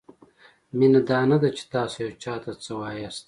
مینه دا نه ده؛ چې تاسو یو چاته څه وایاست؛